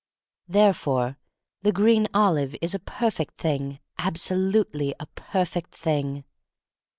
Therefore the green olive is a perfect thing — abso lutely a perfect thing.